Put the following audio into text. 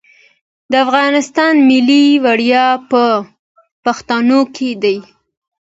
د افغانستان ملي ویاړ په پښتنو کې دی.